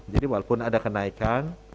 jadi walaupun ada kenaikan